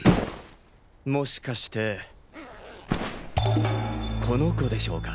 もしかしてこの子でしょうか？